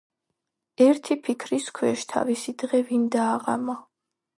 ერთი ფიქრის ქვეშ თავისი დღე ვინ დააღამა.